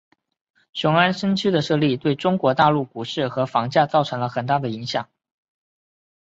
雄安新区的设立对中国大陆股市和房价造成了很大的影响。